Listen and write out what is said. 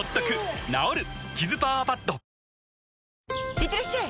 いってらっしゃい！